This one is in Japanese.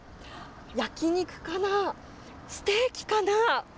焼き肉かな、ステーキかな。